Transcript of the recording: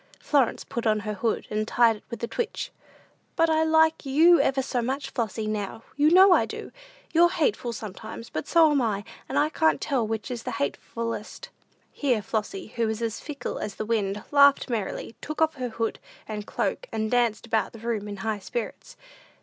Florence put on her hood, and tied it with a twitch. "But I like you ever so much, Flossy; now, you know I do. You're hateful sometimes; but so am I; and I can't tell which is the hatefulest." Here Flossy, who was as fickle as the wind, laughed merrily, took off her hood and cloak, and danced about the room in high spirits.